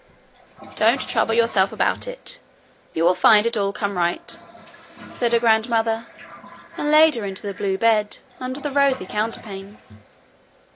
'Don't trouble yourself about it. You will find it all come right,' said her grandmother, and laid her into the blue bed, under the rosy counterpane.